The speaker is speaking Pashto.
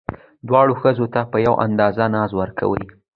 دواړو ښځو ته په یوه اندازه ناز ورکئ.